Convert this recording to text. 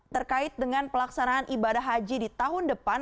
terkait dengan pelaksanaan ibadah haji di tahun depan